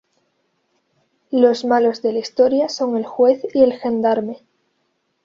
Los malos de la historia son el juez y el gendarme.